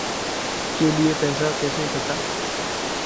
کے لیے پیسہ کیسے اکھٹا